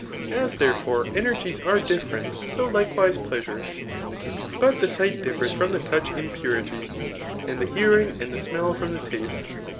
As, therefore, energies are di£ ferent, so likewise pleasures. But the dgbt differs from the touch in purity, and the hearing and the smell from the taste.